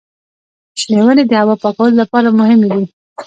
شنې ونې د هوا پاکولو لپاره مهمې دي.